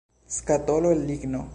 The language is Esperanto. Skatolo el ligno.